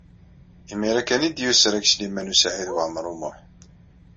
Imir-a kan ay d-yusrag Sliman U Saɛid Waɛmaṛ U Muḥ.